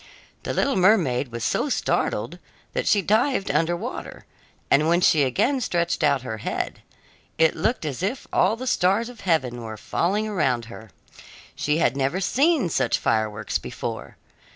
The little mermaid was so startled that she dived under water, and when she again stretched out her head, it looked as if all the stars of heaven were falling around her. She had never seen such fireworks before.